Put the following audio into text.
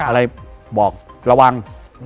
อะไรบอกระวัง